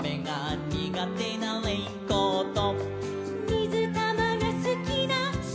「みずたまがすきなしまうま」